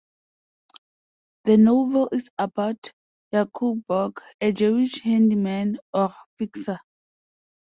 The novel is about Yakov Bok, a Jewish handyman or "fixer".